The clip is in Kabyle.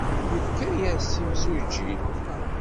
Yefka-as-tt imsujji.